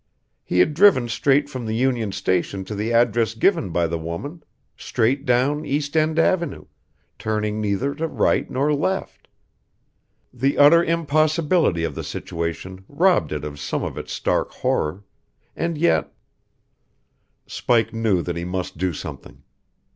He had driven straight from the Union Station to the address given by the woman straight down East End Avenue, turning neither to right nor left. The utter impossibilty of the situation robbed it of some of its stark horror. And yet Spike knew that he must do something.